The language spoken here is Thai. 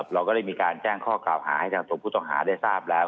เราก็ได้มีการแจ้งข้อกล่าวหาให้ทางตัวผู้ต้องหาได้ทราบแล้ว